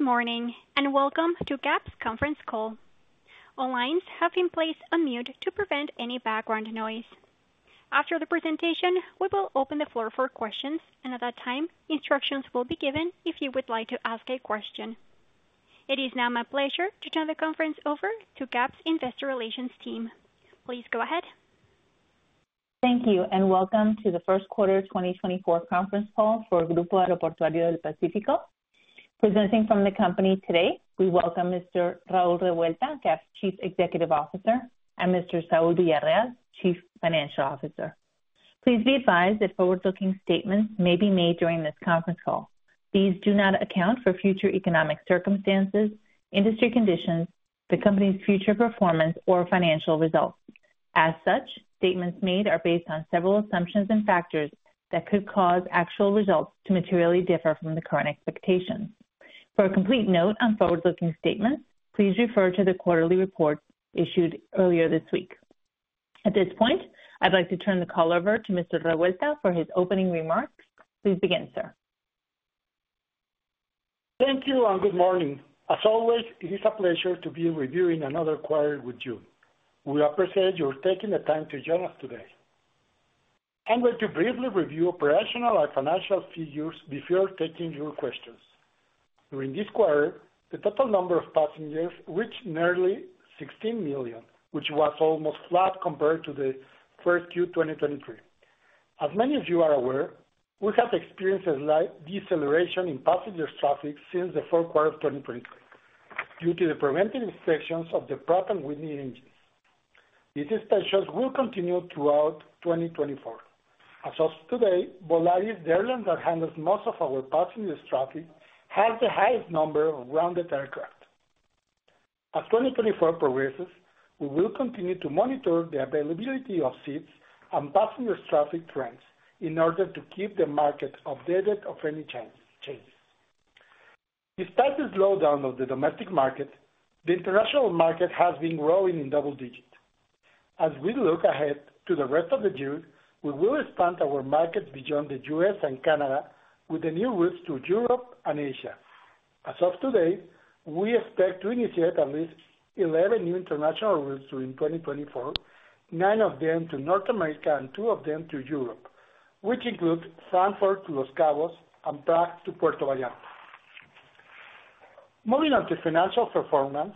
Good morning and welcome to GAP's conference call. All lines have been placed on mute to prevent any background noise. After the presentation, we will open the floor for questions, and at that time, instructions will be given if you would like to ask a question. It is now my pleasure to turn the conference over to GAP's Investor Relations team. Please go ahead. Thank you and welcome to the First Quarter 2024 Conference Call for Grupo Aeroportuario del Pacífico. Presenting from the company today, we welcome Mr. Raúl Revuelta, GAP's Chief Executive Officer, and Mr. Saúl Villarreal, Chief Financial Officer. Please be advised that forward-looking statements may be made during this conference call. These do not account for future economic circumstances, industry conditions, the company's future performance, or financial results. As such, statements made are based on several assumptions and factors that could cause actual results to materially differ from the current expectations. For a complete note on forward-looking statements, please refer to the quarterly report issued earlier this week. At this point, I'd like to turn the call over to Mr. Revuelta for his opening remarks. Please begin, sir. Thank you and good morning. As always, it is a pleasure to be reviewing another quarter with you. We appreciate your taking the time to join us today. I'm going to briefly review operational and financial figures before taking your questions. During this quarter, the total number of passengers reached nearly 16 million, which was almost flat compared to the first Q 2023. As many of you are aware, we have experienced a slight deceleration in passenger traffic since the fourth quarter of 2023 due to the preventive inspections of the Pratt & Whitney engines. These inspections will continue throughout 2024. As of today, Volaris Airlines, that handles most of our passenger traffic, has the highest number of grounded aircraft. As 2024 progresses, we will continue to monitor the availability of seats and passenger traffic trends in order to keep the market updated of any changes. Despite the slowdown of the domestic market, the international market has been growing in double digits. As we look ahead to the rest of the year, we will expand our markets beyond the U.S. and Canada with the new routes to Europe and Asia. As of today, we expect to initiate at least 11 new international routes during 2024, nine of them to North America and two of them to Europe, which include Frankfurt to Los Cabos and Prague to Puerto Vallarta. Moving on to financial performance.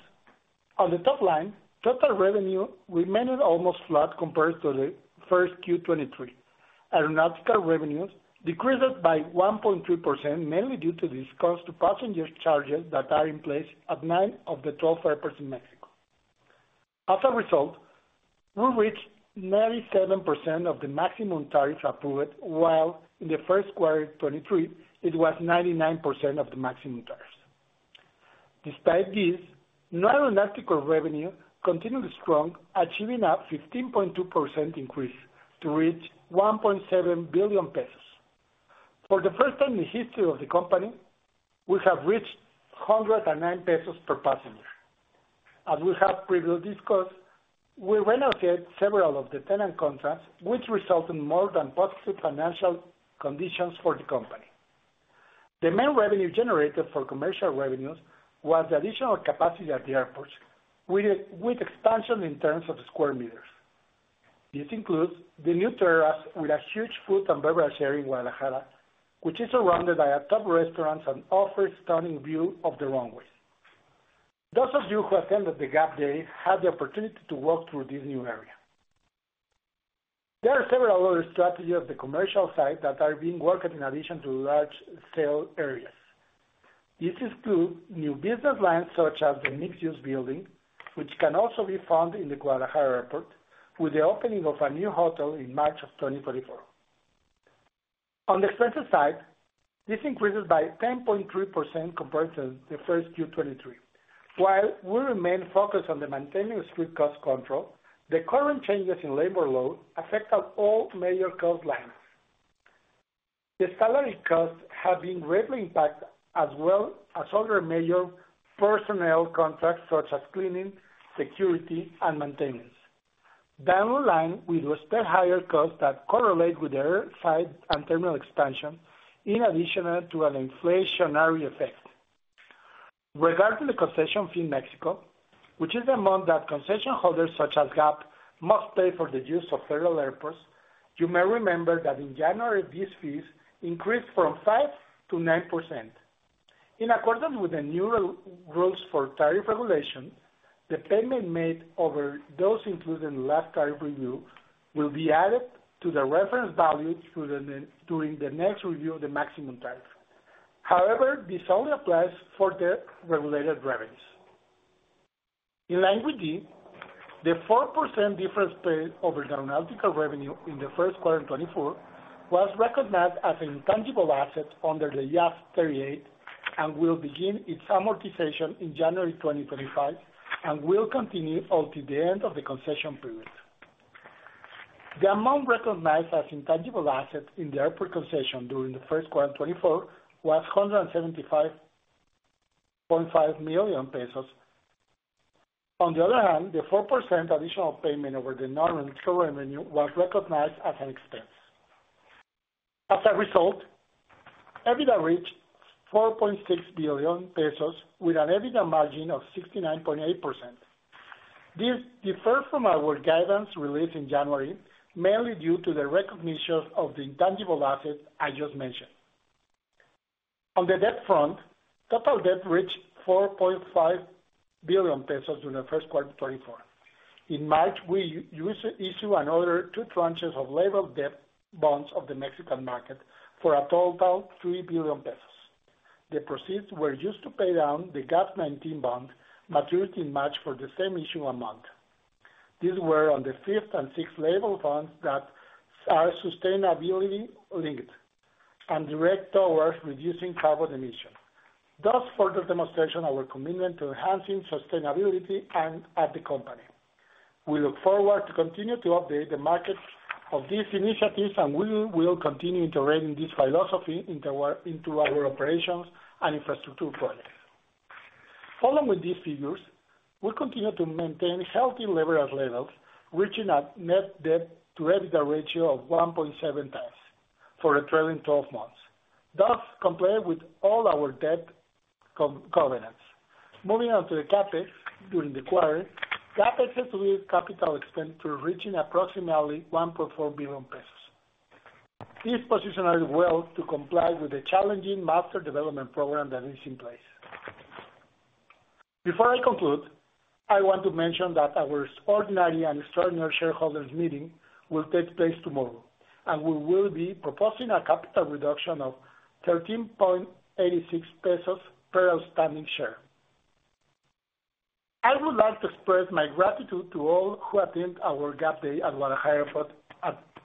On the top line, total revenue remained almost flat compared to the first Q 2023. Aeronautical revenues decreased by 1.3%, mainly due to discounts to passenger charges that are in place at nine of the 12 airports in Mexico. As a result, we reached 97% of the maximum tariffs approved, while in the first quarter 2023, it was 99% of the maximum tariffs. Despite this, non-aeronautical revenue continued strong, achieving a 15.2% increase to reach 1.7 billion pesos. For the first time in the history of the company, we have reached 109 pesos per passenger. As we have previously discussed, we renegotiated several of the tenant contracts, which resulted in more than positive financial conditions for the company. The main revenue generated for commercial revenues was the additional capacity at the airports with expansion in terms of square meters. This includes the new terrace with a huge food and beverage area in Guadalajara, which is surrounded by a top restaurant and offers a stunning view of the runways. Those of you who attended the GAP Day had the opportunity to walk through this new area. There are several other strategies on the commercial side that are being worked on in addition to large sale areas. This includes new business lines such as the mixed-use building, which can also be found in the Guadalajara airport, with the opening of a new hotel in March of 2024. On the expenses side, this increases by 10.3% compared to the first Q 2023. While we remain focused on maintaining strict cost control, the current changes in labor load affect all major cost lines. The salary costs have been greatly impacted as well as other major personnel contracts such as cleaning, security, and maintenance, down the line with a step higher cost that correlates with the airside and terminal expansion, in addition to an inflationary effect. Regarding the concession fee in Mexico, which is the amount that concession holders such as GAP must pay for the use of federal airports, you may remember that in January, these fees increased from 5%-9%. In accordance with the new rules for tariff regulation, the payment made over those included in the last tariff review will be added to the reference value during the next review of the maximum tariff. However, this only applies for the regulated revenues. In line with this, the 4% difference paid over the aeronautical revenue in the first quarter 2024 was recognized as an intangible asset under the IAS 38 and will begin its amortization in January 2025 and will continue until the end of the concession period. The amount recognized as intangible asset in the airport concession during the first quarter 2024 was 175.5 million pesos. On the other hand, the 4% additional payment over the non-aeronautical revenue was recognized as an expense. As a result, EBITDA reached 4.6 billion pesos with an EBITDA margin of 69.8%. This differs from our guidance released in January, mainly due to the recognition of the intangible asset I just mentioned. On the debt front, total debt reached 4.5 billion pesos during the first quarter 2024. In March, we issued another two tranches of labeled debt bonds of the Mexican market for a total of 3 billion pesos. The proceeds were used to pay down the GAP 19 bond, matured in March for the same issue amount. These were on the fifth and sixth labeled bonds that are sustainability-linked and direct towards reducing carbon emissions, thus further demonstrating our commitment to enhancing sustainability at the company. We look forward to continuing to update the market of these initiatives, and we will continue integrating this philosophy into our operations and infrastructure projects. Following these figures, we continue to maintain healthy leverage levels, reaching a net debt-to-EBITDA ratio of 1.7x for a trailing 12 months, thus complying with all our debt covenants. Moving on to the CapEx during the quarter, CapEx is to be capital expenditure, reaching approximately 1.4 billion pesos. This position is well to comply with the challenging master development program that is in place. Before I conclude, I want to mention that our ordinary and extraordinary shareholders' meeting will take place tomorrow, and we will be proposing a capital reduction of 13.86 pesos per outstanding share. I would like to express my gratitude to all who attended our GAP Day at Guadalajara airport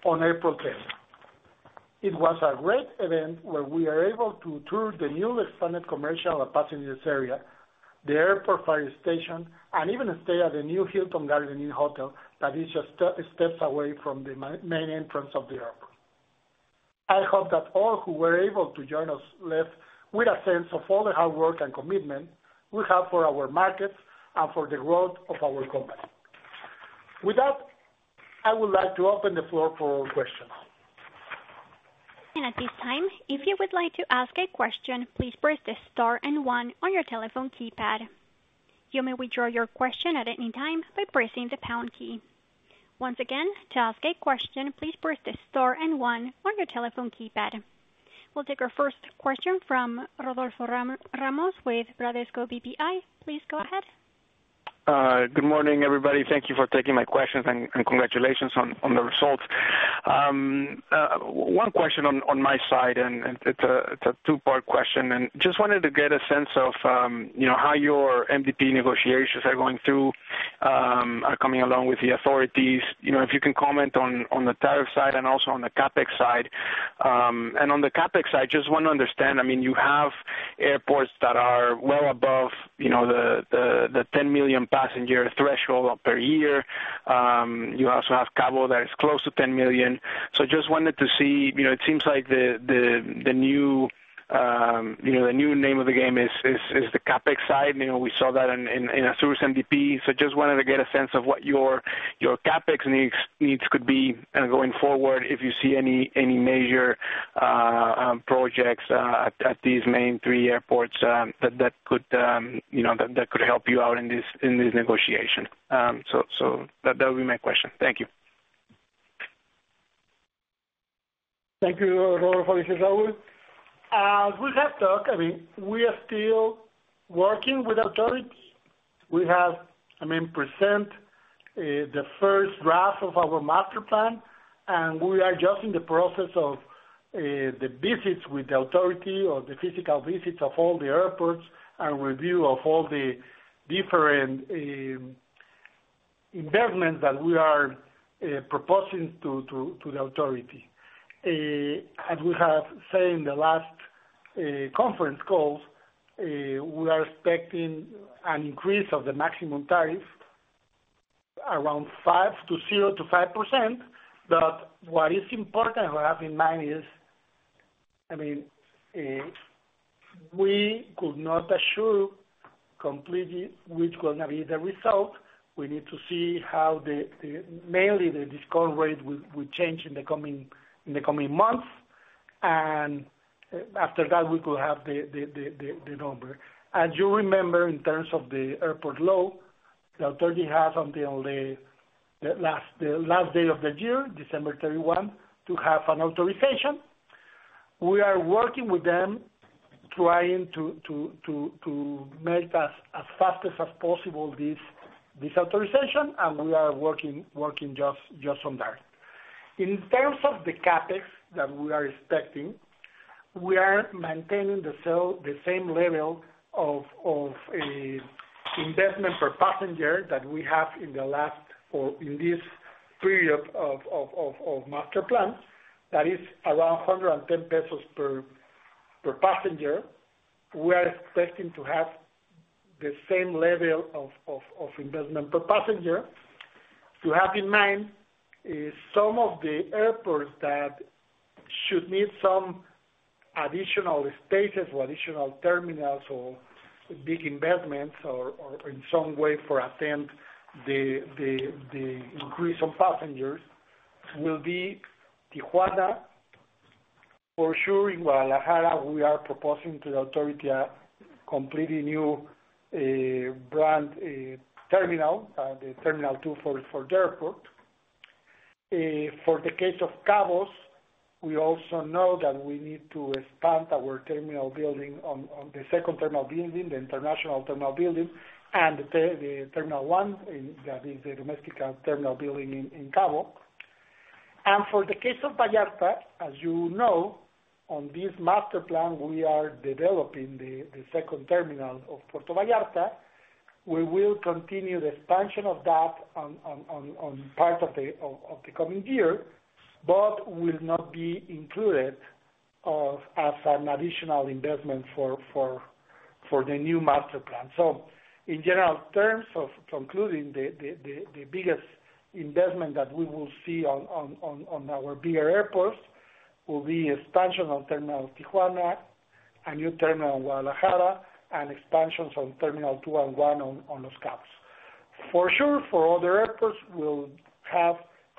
on April 10th. It was a great event where we were able to tour the newly expanded commercial and passengers area, the airport fire station, and even stay at the new Hilton Garden Inn hotel that is just steps away from the main entrance of the airport. I hope that all who were able to join us left with a sense of all the hard work and commitment we have for our markets and for the growth of our company. With that, I would like to open the floor for all questions. At this time, if you would like to ask a question, please press the star and one on your telephone keypad. You may withdraw your question at any time by pressing the pound key. Once again, to ask a question, please press the star and one on your telephone keypad. We'll take our first question from Rodolfo Ramos with Bradesco BBI. Please go ahead. Good morning, everybody. Thank you for taking my questions, and congratulations on the results. One question on my side, and it's a two-part question, and just wanted to get a sense of how your MDP negotiations are going through, are coming along with the authorities. If you can comment on the tariff side and also on the CapEx side. And on the CapEx side, just want to understand, I mean, you have airports that are well above the 10 million passenger threshold per year. You also have Cabo that is close to 10 million. So just wanted to see, it seems like the new name of the game is the CapEx side. We saw that in ASUR's MDP. Just wanted to get a sense of what your CapEx needs could be going forward, if you see any major projects at these main three airports that could help you out in this negotiation. That would be my question. Thank you. Thank you, Rodolfo. This is Raúl. We have talked. I mean, we are still working with authorities. We have, I mean, presented the first draft of our master plan, and we are just in the process of the visits with the authority or the physical visits of all the airports and review of all the different investments that we are proposing to the authority. As we have said in the last conference calls, we are expecting an increase of the maximum tariff around 0%-5%. But what is important to have in mind is, I mean, we could not assure completely which is going to be the result. We need to see how the mainly the discount rate will change in the coming months, and after that, we could have the number. As you remember, in terms of the airport load, the authority has until the last day of the year, December 31, to have an authorization. We are working with them, trying to make as fast as possible this authorization, and we are working just on that. In terms of the CapEx that we are expecting, we are maintaining the same level of investment per passenger that we have in the last or in this period of master plan that is around 110 pesos per passenger. We are expecting to have the same level of investment per passenger. To have in mind, some of the airports that should need some additional spaces or additional terminals or big investments or in some way to attend the increase in passengers will be Tijuana. For sure, in Guadalajara, we are proposing to the authority a completely new brand-new terminal, the Terminal 2 for the airport. For the case of Cabos, we also know that we need to expand our terminal building, the second terminal building, the international terminal building, and the Terminal 1, that is the domestic terminal building in Cabo. And for the case of Vallarta, as you know, on this master plan, we are developing the second terminal of Puerto Vallarta. We will continue the expansion of that on part of the coming year, but will not be included as an additional investment for the new master plan. So in general terms, concluding, the biggest investment that we will see on our bigger airports will be expansion on Terminal Tijuana, a new terminal in Guadalajara, and expansions on Terminal 2 and 1 on Los Cabos. For sure, for other airports, we'll have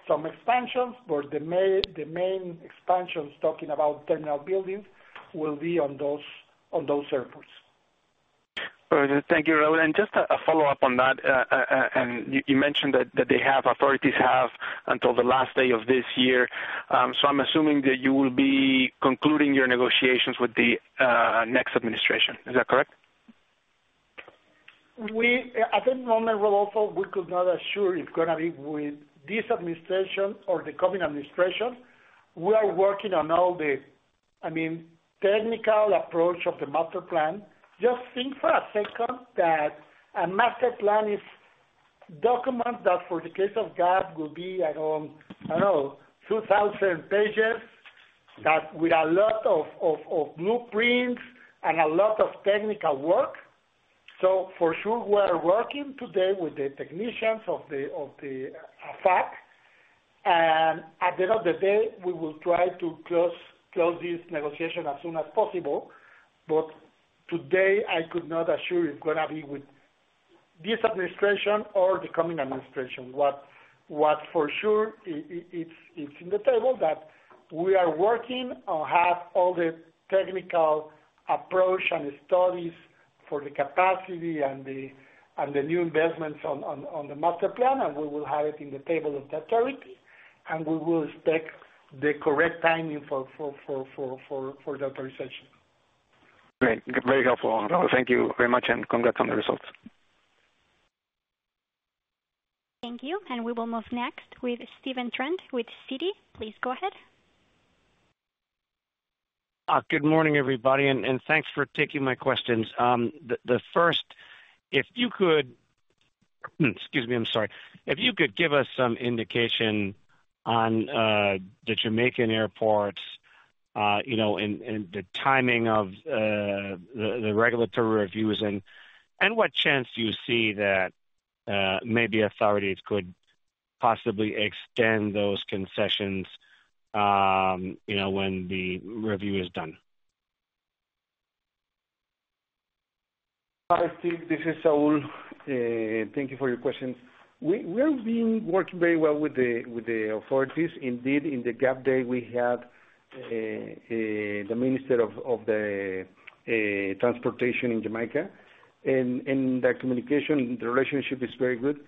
some expansions, but the main expansions, talking about terminal buildings, will be on those airports. Thank you, Raúl. And just a follow-up on that, and you mentioned that the authorities have until the last day of this year. So I'm assuming that you will be concluding your negotiations with the next administration. Is that correct? At this moment, Rodolfo, we could not assure if it's going to be with this administration or the coming administration. We are working on all the, I mean, technical approach of the master plan. Just think for a second that a master plan is documented that for the case of GAP will be, I don't know, 2,000 pages with a lot of blueprints and a lot of technical work. So for sure, we are working today with the technicians of the AFAC, and at the end of the day, we will try to close this negotiation as soon as possible. But today, I could not assure if it's going to be with this administration or the coming administration. What for sure is in the table is that we are working on having all the technical approach and studies for the capacity and the new investments on the master plan, and we will have it in the table of the authority, and we will expect the correct timing for the authorization. Great. Very helpful, Raúl. Thank you very much, and congrats on the results. Thank you. We will move next with Stephen Trent with Citi. Please go ahead. Good morning, everybody, and thanks for taking my questions. The first, if you could excuse me, I'm sorry. If you could give us some indication on the Jamaican airports and the timing of the regulatory reviews, and what chance do you see that maybe authorities could possibly extend those concessions when the review is done? Hi, Steve. This is Saúl. Thank you for your questions. We are working very well with the authorities. Indeed, in the GAP Day, we had the Minister of Transportation in Jamaica, and the communication, the relationship is very good.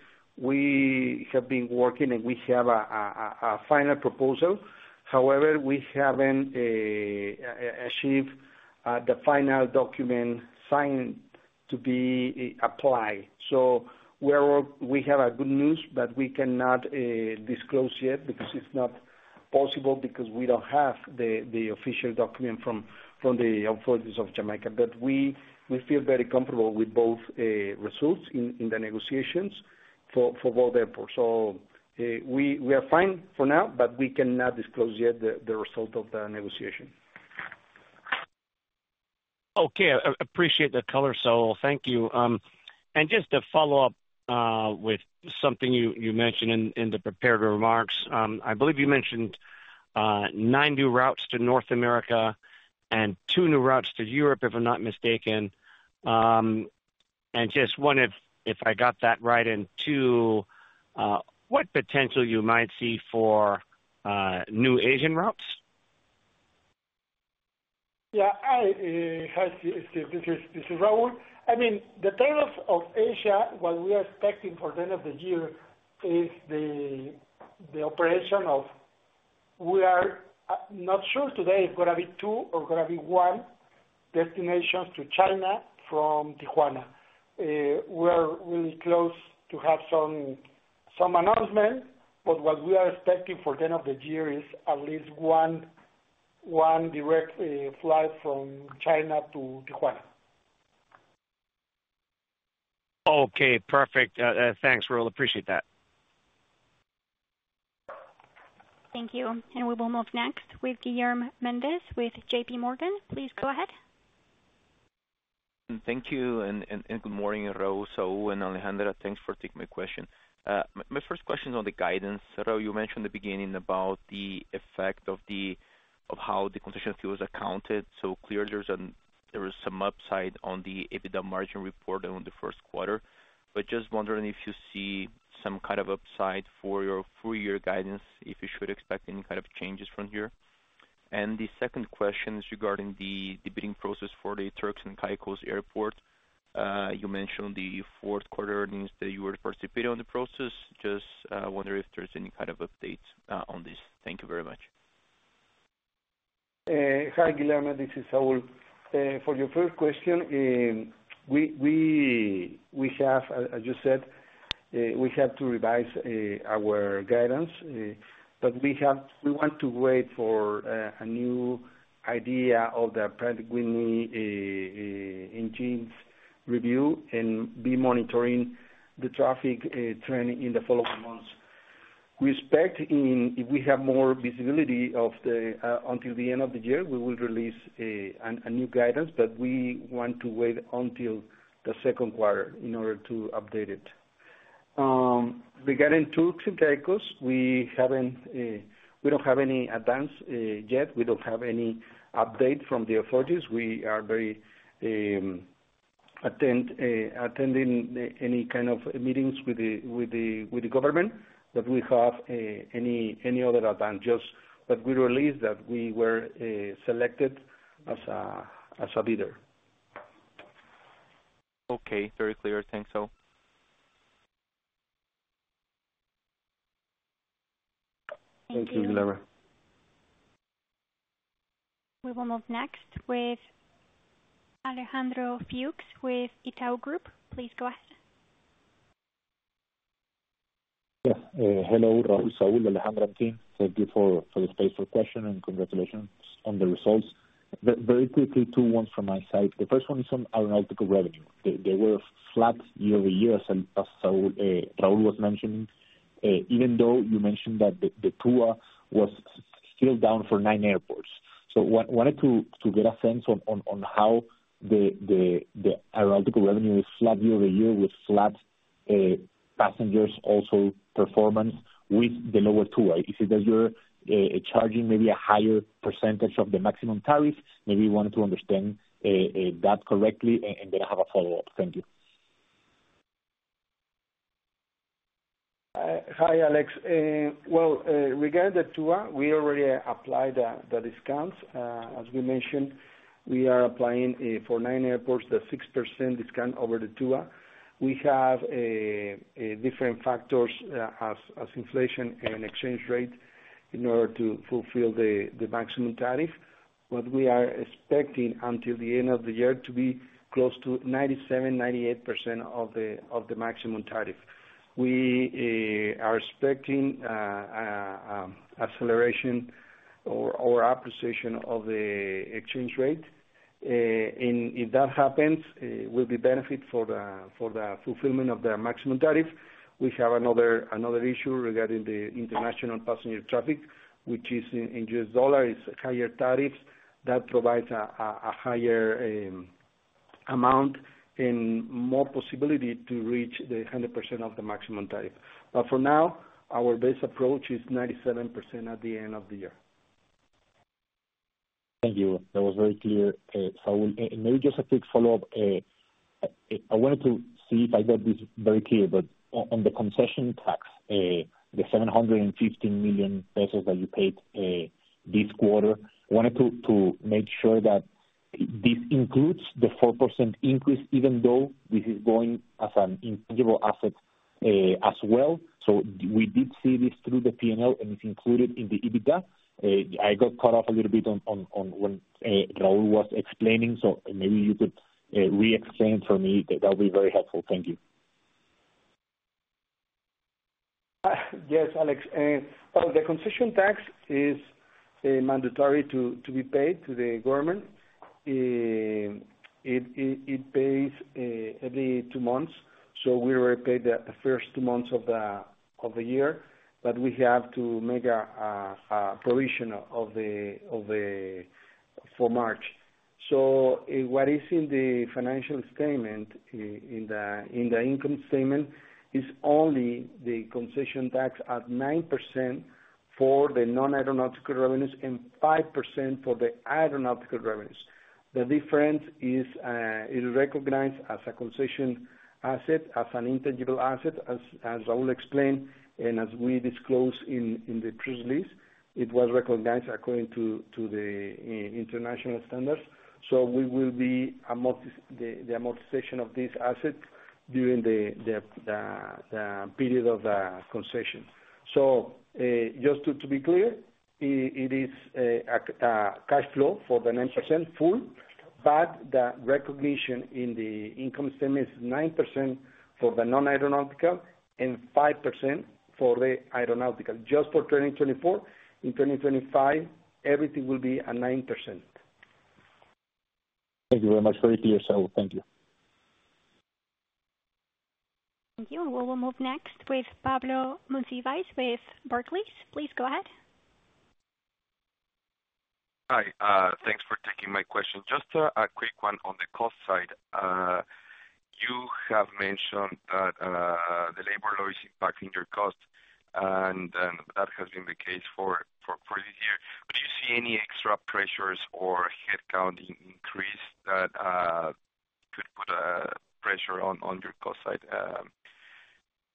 We have been working, and we have a final proposal. However, we haven't achieved the final document signed to be applied. So we have good news, but we cannot disclose yet because it's not possible because we don't have the official document from the authorities of Jamaica. But we feel very comfortable with both results in the negotiations for both airports. So we are fine for now, but we cannot disclose yet the result of the negotiation. Okay. Appreciate the color, Saúl. Thank you. And just to follow up with something you mentioned in the preparatory remarks, I believe you mentioned nine new routes to North America and two new routes to Europe, if I'm not mistaken. And just wonder if I got that right, and two, what potential you might see for new Asian routes? Yeah. Hi, Steve. This is Raúl. I mean, in terms of Asia, what we are expecting for the end of the year is the operation. We are not sure today if it's going to be two or going to be one destinations to China from Tijuana. We are really close to have some announcement, but what we are expecting for the end of the year is at least one direct flight from China to Tijuana. Okay. Perfect. Thanks, Raúl. Appreciate that. Thank you. We will move next with Guilherme Mendes with JPMorgan. Please go ahead. Thank you. And good morning, Raúl, Saúl, and Alejandra. Thanks for taking my question. My first question is on the guidance. Raúl, you mentioned in the beginning about the effect of how the concession fee was accounted. So clearly, there was some upside on the EBITDA margin reporting on the first quarter, but just wondering if you see some kind of upside for your full-year guidance, if you should expect any kind of changes from here. And the second question is regarding the bidding process for the Turks and Caicos airport. You mentioned the fourth quarter earnings that you were participating in the process. Just wondering if there's any kind of updates on this. Thank you very much. Hi, Guillermo. This is Saúl. For your first question, we have, as you said, we have to revise our guidance, but we want to wait for a new idea of the print. We need engines review and be monitoring the traffic trend in the following months. We expect if we have more visibility until the end of the year, we will release a new guidance, but we want to wait until the second quarter in order to update it. Regarding Turks and Caicos, we don't have any advance yet. We don't have any update from the authorities. We are very attentive to attending any kind of meetings with the government, but we don't have any other advance. Just that we released that we were selected as a bidder. Okay. Very clear. Thanks, Saúl. Thank you. Thank you, Guillermo. We will move next with Alejandro Fuchs with Itaú Group. Please go ahead. Yes. Hello, Raúl, Saúl, Alejandra and team. Thank you for the space for questioning, and congratulations on the results. Very quickly, two ones from my side. The first one is on aeronautical revenue. They were flat year-over-year, as Raúl was mentioning, even though you mentioned that the TUA was still down for 9 airports. So I wanted to get a sense on how the aeronautical revenue is flat year-over-year with flat passengers, also performance with the lower TUA. Is it that you're charging maybe a higher percentage of the maximum tariff? Maybe we wanted to understand that correctly and then have a follow-up. Thank you. Hi, Alex. Well, regarding the TUA, we already applied the discounts. As we mentioned, we are applying for nine airports the 6% discount over the TUA. We have different factors as inflation and exchange rate in order to fulfill the maximum tariff. What we are expecting until the end of the year to be close to 97%-98% of the maximum tariff. We are expecting acceleration or appreciation of the exchange rate. And if that happens, it will be a benefit for the fulfillment of the maximum tariff. We have another issue regarding the international passenger traffic, which is in U.S. dollars, higher tariffs that provide a higher amount and more possibility to reach the 100% of the maximum tariff. But for now, our best approach is 97% at the end of the year. Thank you. That was very clear, Saúl. Maybe just a quick follow-up. I wanted to see if I got this very clear, but on the concession tax, the 715 million pesos that you paid this quarter, I wanted to make sure that this includes the 4% increase even though this is going as an intangible asset as well. So we did see this through the P&L, and it's included in the EBITDA. I got cut off a little bit when Raúl was explaining, so maybe you could re-explain it for me. That would be very helpful. Thank you. Yes, Alex. Well, the concession tax is mandatory to be paid to the government. It pays every two months. So we were paid the first two months of the year, but we have to make a provision for March. So what is in the financial statement, in the income statement, is only the concession tax at 9% for the non-aeronautical revenues and 5% for the aeronautical revenues. The difference is recognized as a concession asset, as an intangible asset, as Raúl explained, and as we disclosed in the press release. It was recognized according to the international standards. So we will be the amortization of this asset during the period of the concession. So just to be clear, it is a cash flow for the 9% full, but the recognition in the income statement is 9% for the non-aeronautical and 5% for the aeronautical. Just for 2024, in 2025, everything will be at 9%. Thank you very much. Very clear, Saúl. Thank you. Thank you. We will move next with Pablo Monsivais with Barclays. Please go ahead. Hi. Thanks for taking my question. Just a quick one on the cost side. You have mentioned that the labor law is impacting your costs, and that has been the case for this year. Do you see any extra pressures or headcount increase that could put pressure on your cost side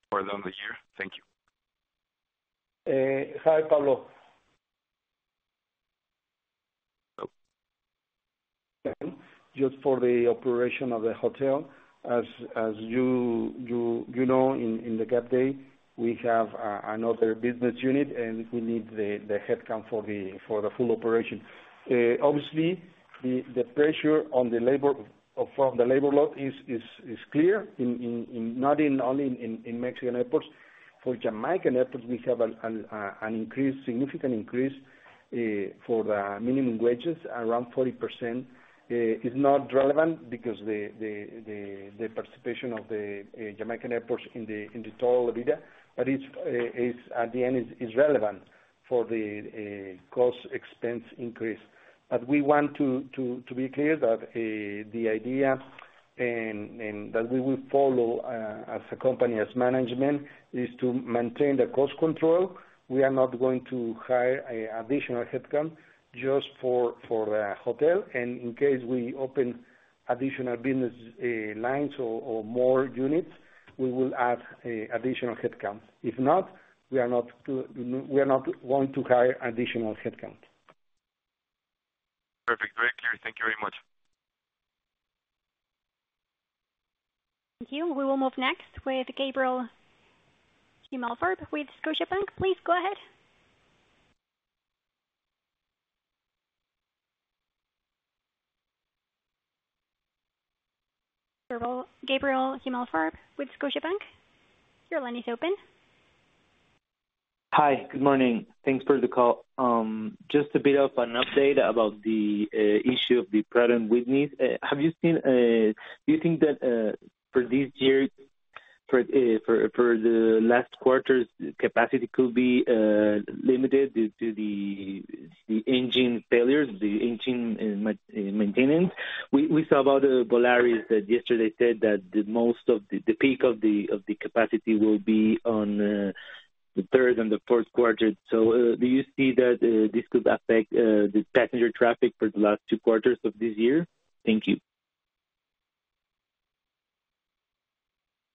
for the end of the year? Thank you. Hi, Pablo. Hello. Just for the operation of the hotel, as you know, in the GAP today, we have another business unit, and we need the headcount for the full operation. Obviously, the pressure on the labor from the labor market is clear, not only in Mexican airports. For Jamaican airports, we have an increase, significant increase for the minimum wages, around 40%. It's not relevant because of the participation of the Jamaican airports in the total EBITDA, but at the end, it's relevant for the cost expense increase. But we want to be clear that the idea and that we will follow as a company, as management, is to maintain the cost control. We are not going to hire additional headcount just for the hotel. And in case we open additional business lines or more units, we will add additional headcount. If not, we are not going to hire additional headcount. Perfect. Very clear. Thank you very much. Thank you. We will move next with Gabriel Himelfarb with Scotiabank. Please go ahead. Gabriel Himelfarb with Scotiabank. Your line is open. Hi. Good morning. Thanks for the call. Just a bit of an update about the issue of the Pratt & Whitney. Have you seen? Do you think that for this year, for the last quarters, capacity could be limited due to the engine failures, the engine maintenance? We saw about the Volaris that yesterday said that the peak of the capacity will be on the third and the fourth quarter. So do you see that this could affect the passenger traffic for the last two quarters of this year? Thank you.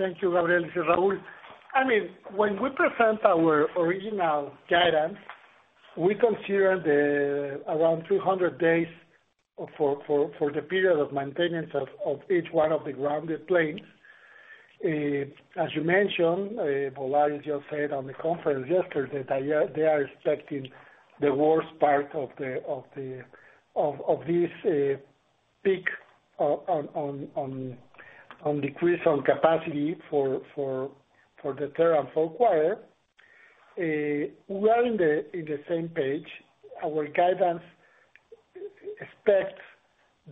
Thank you, Gabriel. This is Raúl. I mean, when we present our original guidance, we consider around 300 days for the period of maintenance of each one of the grounded planes. As you mentioned, Volaris just said on the conference yesterday that they are expecting the worst part of this peak on decrease on capacity for the third and fourth quarter. We are on the same page. Our guidance expects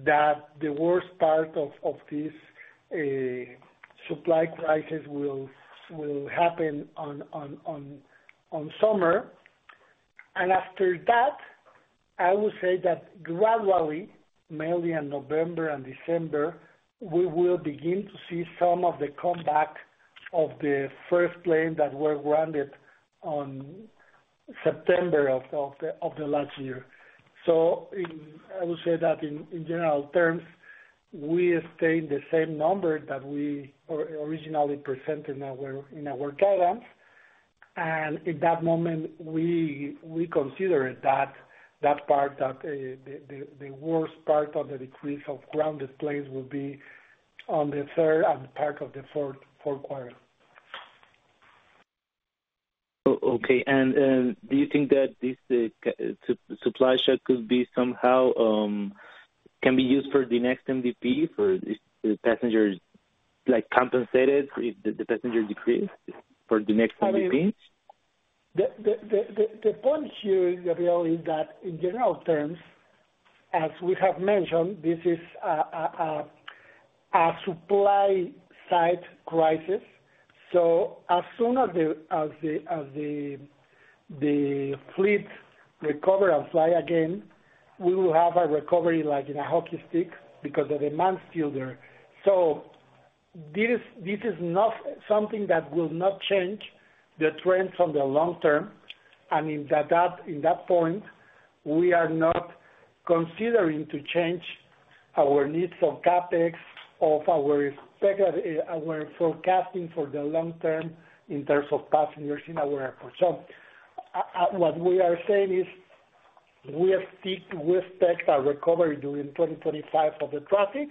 that the worst part of this supply crisis will happen in summer. And after that, I would say that gradually, mainly in November and December, we will begin to see some of the comeback of the first plane that were grounded on September of the last year. So I would say that in general terms, we stay in the same number that we originally presented in our guidance. In that moment, we considered that part, that the worst part of the decrease of grounded planes will be on the third and part of the fourth quarter. Okay. Do you think that this supply shock could be somehow used for the next MDP for the passengers compensated if the passenger decrease for the next MDP? The point here, Gabriel, is that in general terms, as we have mentioned, this is a supply-side crisis. So as soon as the fleet recover and fly again, we will have a recovery like in a hockey stick because the demand's still there. So this is not something that will not change the trends on the long term. And in that point, we are not considering to change our needs of CapEx, of our forecasting for the long term in terms of passengers in our airport. So what we are saying is we expect a recovery during 2025 of the traffic.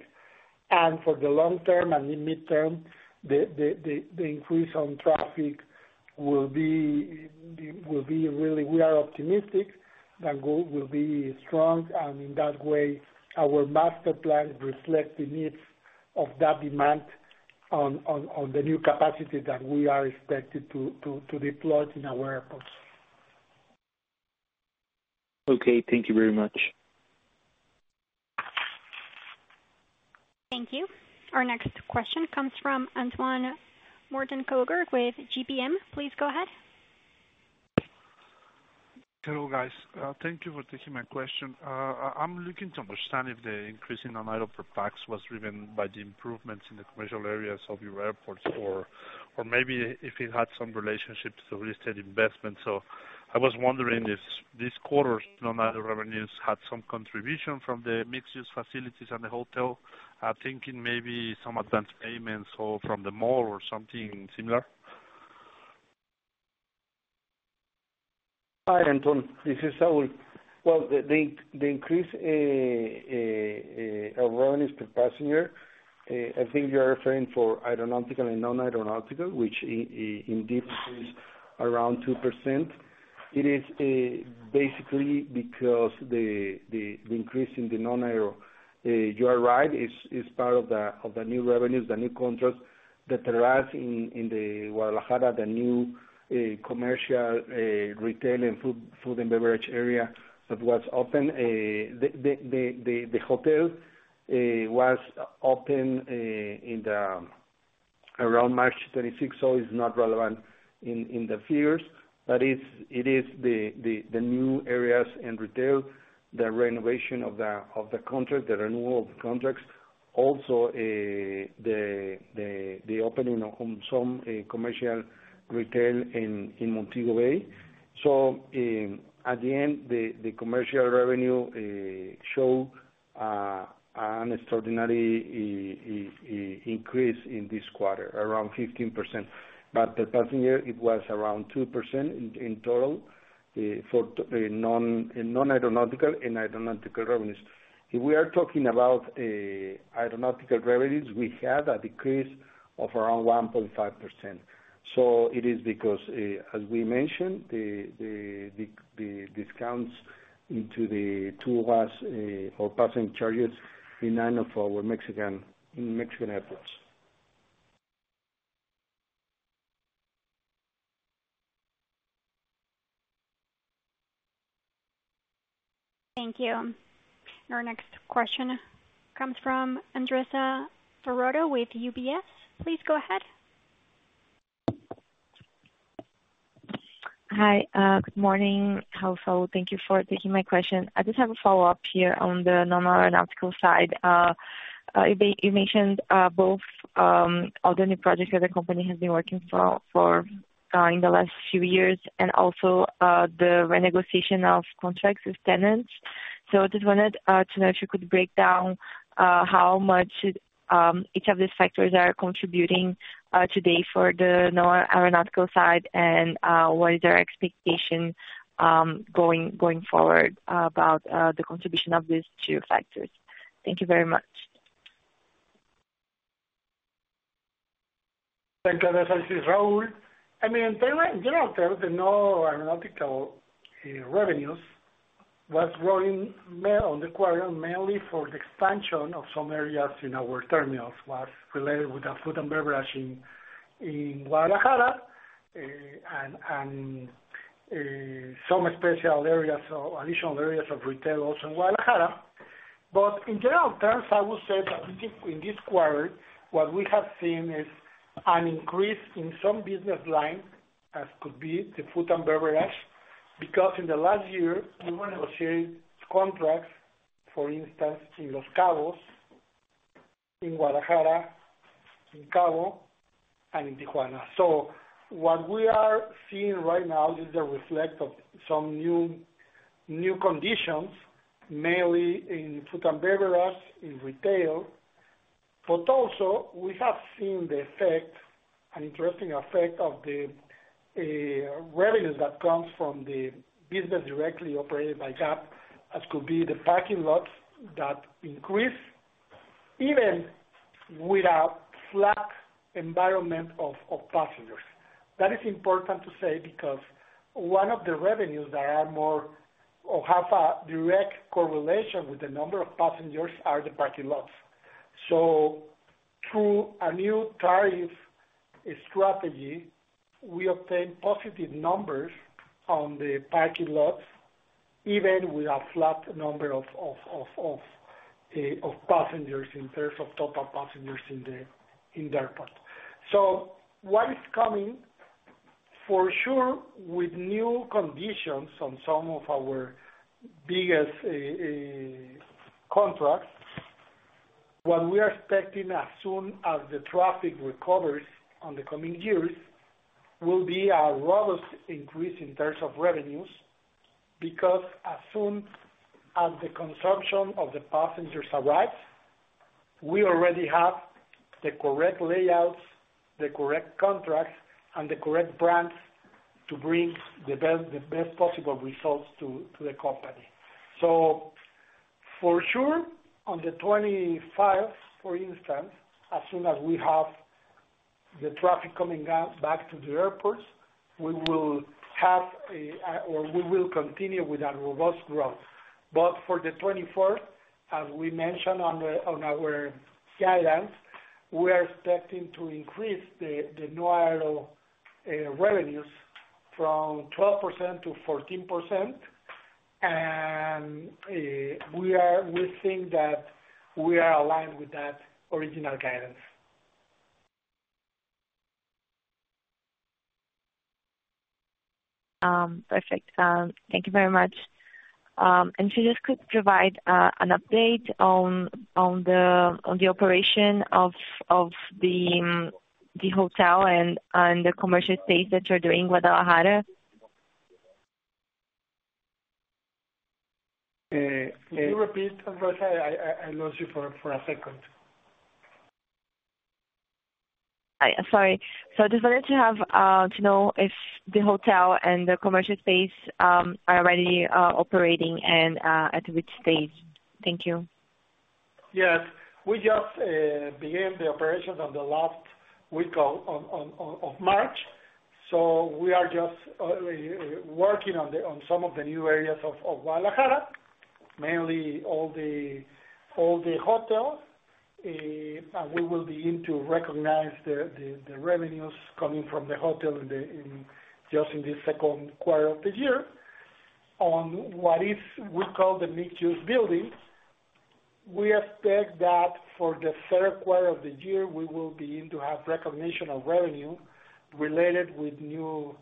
And for the long term and the mid term, the increase on traffic will be really we are optimistic that will be strong. And in that way, our master plan reflects the needs of that demand on the new capacity that we are expected to deploy in our airports. Okay. Thank you very much. Thank you. Our next question comes from Anton Mortenkotter with GBM. Please go ahead. Hello, guys. Thank you for taking my question. I'm looking to understand if the increase in non-aeronautical tax was driven by the improvements in the commercial areas of your airports or maybe if it had some relationship to real estate investments. I was wondering if this quarter's non-aeronautical revenues had some contribution from the mixed-use facilities and the hotel. I'm thinking maybe some advance payments from the mall or something similar. Hi, Antoine. This is Saúl. Well, the increase of revenues per passenger, I think you are referring to aeronautical and non-aeronautical, which indeed is around 2%. It is basically because the increase in the non-aero revenues is part of the new revenues, the new contracts that arrived in Guadalajara, the new commercial retail and food and beverage area that was open. The hotel was open around March 26th, so it's not relevant in the figures. But it is the new areas and retail, the renovation of the contract, the renewal of the contracts, also the opening of some commercial retail in Montego Bay. So at the end, the commercial revenue showed an extraordinary increase in this quarter, around 15%. But per passenger, it was around 2% in total for non-aeronautical and aeronautical revenues. If we are talking about aeronautical revenues, we have a decrease of around 1.5%. It is because, as we mentioned, the discounts into the TUA's or passenger charges in none of our Mexican airports. Thank you. Our next question comes from Andressa Varotto with UBS. Please go ahead. Hi. Good morning, Raúl, Saúl. Thank you for taking my question. I just have a follow-up here on the non-aeronautical side. You mentioned both all the new projects that the company has been working for in the last few years and also the renegotiation of contracts with tenants. So I just wanted to know if you could break down how much each of these factors are contributing today for the non-aeronautical side and what is their expectation going forward about the contribution of these two factors. Thank you very much. Thank you, Andressa. This is Raúl. I mean, in general, the non-aeronautical revenues were growing on the quarter mainly for the expansion of some areas in our terminals was related with the food and beverage in Guadalajara and some special areas or additional areas of retail also in Guadalajara. But in general terms, I would say that in this quarter, what we have seen is an increase in some business lines as could be the food and beverage because in the last year, we were negotiating contracts, for instance, in Los Cabos, in Guadalajara, in Cabo, and in Tijuana. So what we are seeing right now is the reflection of some new conditions, mainly in food and beverage, in retail. But also, we have seen the effect, an interesting effect of the revenues that comes from the business directly operated by GAP as could be the parking lots that increase even without flat environment of passengers. That is important to say because one of the revenues that are more or have a direct correlation with the number of passengers are the parking lots. So through a new tariff strategy, we obtained positive numbers on the parking lots even with a flat number of passengers in terms of total passengers in the airport. So what is coming for sure with new conditions on some of our biggest contracts, what we are expecting as soon as the traffic recovers on the coming years will be a robust increase in terms of revenues because as soon as the consumption of the passengers arrives, we already have the correct layouts, the correct contracts, and the correct brands to bring the best possible results to the company. So for sure, in 2025, for instance, as soon as we have the traffic coming back to the airports, we will have or we will continue with a robust growth. But for 2024, as we mentioned on our guidance, we are expecting to increase the non-aero revenues from 12%-14%. And we think that we are aligned with that original guidance. Perfect. Thank you very much. If you just could provide an update on the operation of the hotel and the commercial space that you're doing in Guadalajara? Can you repeat, Andressa? I lost you for a second. Sorry. I just wanted to know if the hotel and the commercial space are already operating and at which stage. Thank you. Yes. We just began the operations on the last week of March. So we are just working on some of the new areas of Guadalajara, mainly all the hotels. We will be into recognize the revenues coming from the hotel just in this second quarter of the year. On what we call the mixed-use building, we expect that for the third quarter of the year, we will be into have recognition of revenue related with new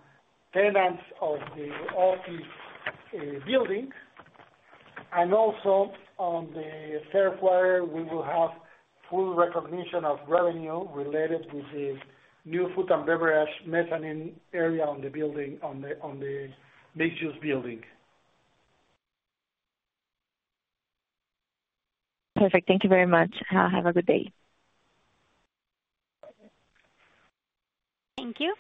tenants of the office building. Also on the third quarter, we will have full recognition of revenue related with the new food and beverage mezzanine area on the building, on the mixed-use building. Perfect. Thank you very much. Have a good day. Thank you.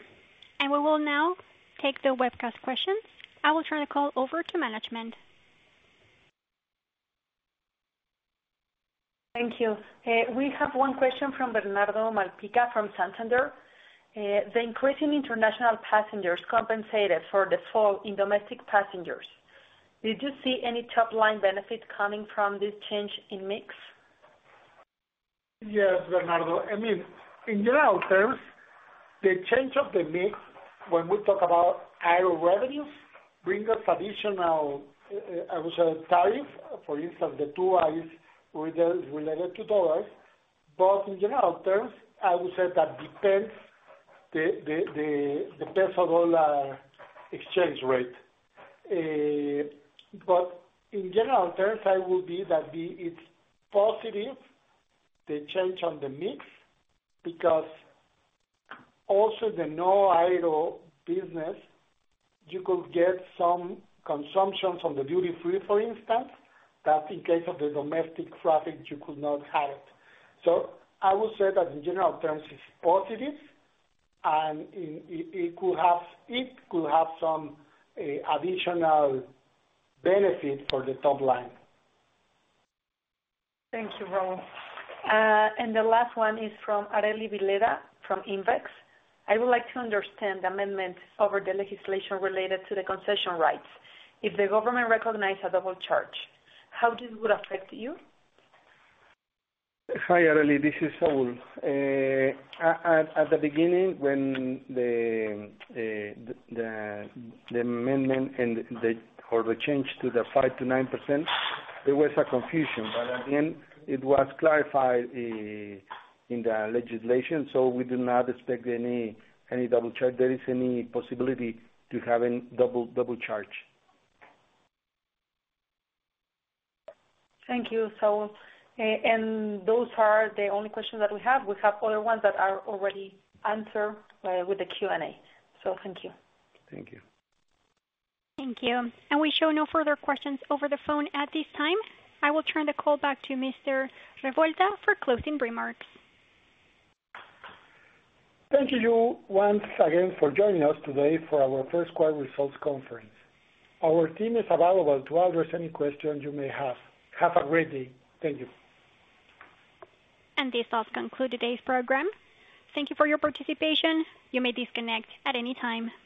We will now take the webcast questions. I will turn the call over to management. Thank you. We have one question from Bernardo Malpica from Santander. The increase in international passengers compensated for the fall in domestic passengers. Did you see any top-line benefits coming from this change in mix? Yes, Bernardo. I mean, in general terms, the change of the mix when we talk about aero revenues brings us additional I would say tariff, for instance, the TUAS related to dollars. But in general terms, I would say that depends the peso-dollar exchange rate. But in general terms, I will be that it's positive, the change on the mix because also in the non-aero business, you could get some consumptions on the duty-free, for instance, that in case of the domestic traffic, you could not have it. So I would say that in general terms, it's positive. And it could have some additional benefit for the top line. Thank you, Raúl. And the last one is from Areli Villeda from Invex. I would like to understand the amendment over the legislation related to the concession rights. If the government recognized a double charge, how this would affect you? Hi, Areli. This is Saúl. At the beginning, when the amendment or the change to the 5%-9%, there was a confusion. But at the end, it was clarified in the legislation. So we do not expect any double charge. There is any possibility to have a double charge. Thank you, Saúl. Those are the only questions that we have. We have other ones that are already answered with the Q&A. Thank you. Thank you. Thank you. We show no further questions over the phone at this time. I will turn the call back to Mr. Revuelta for closing remarks. Thank you once again for joining us today for our first quarter results conference. Our team is available to address any questions you may have. Have a great day. Thank you. This does conclude today's program. Thank you for your participation. You may disconnect at any time.